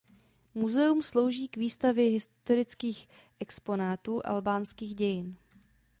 Muzeum slouží k výstavě historických exponátů albánských dějin.